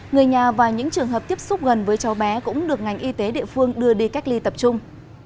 người nhà và những trường hợp tiếp xúc gần với cháu bé cũng được ngành y tế địa phương đưa đi cách ly tập trung